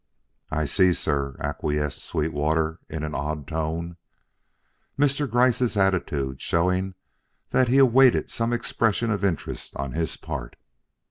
"I see, sir," acquiesced Sweetwater in an odd tone, Mr. Gryce's attitude showing that he awaited some expression of interest on his part.